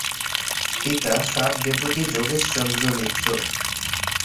পিতা সাব-ডেপুটি যোগেশচন্দ্র মিত্র।